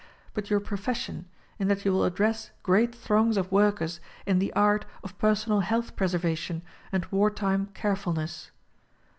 but your profession, in that you will address great throngs of workers in the art of personal health preservation and war time carefulness.